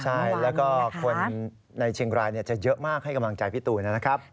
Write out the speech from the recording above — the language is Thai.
ใช่แล้วก็คนในเชียงรายจะเยอะมากให้กำลังใจพี่ตูนนะครับ